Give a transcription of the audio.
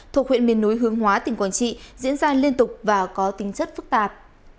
thuộc huyện miền núi hướng hóa tỉnh quảng trị diễn ra liên tục và có tính chất phức tạp